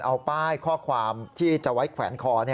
เอาป้ายข้อความที่จะไว้แขวนคอ